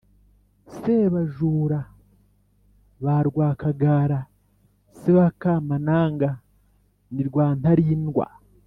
Sebajura ba Rwakagara se wa Kamananga ni Rwantarindwa